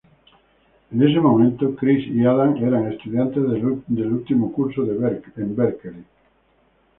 En ese momento Chris y Adam eran estudiantes de último curso en Berkeley.